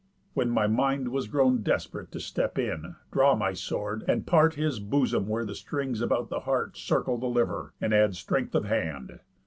When my mind was grown Desp'rate to step in, draw my sword, and part His bosom where the strings about the heart Circle the liver, and add strength of hand.